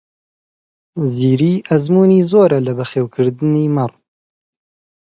زیری ئەزموونی زۆرە لە بەخێوکردنی مەڕ.